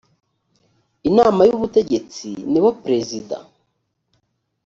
inama y ubutegetsi nibo perezida